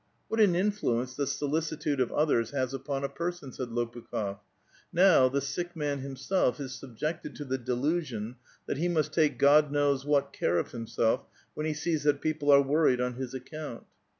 " What an influence the solicitude of others has upon a person," said Lopukh6f ;'' now, the sick man himself is sub jected to the delusion that he must take God knows what care of himself, when he sees that people are worried on his ac count.